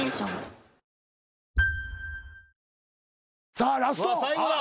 さあラスト。